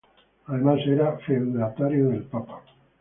Además era feudatario del Papa.